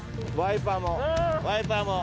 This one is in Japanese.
ワイパーも。